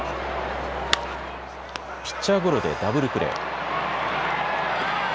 ピッチャーゴロでダブルプレー。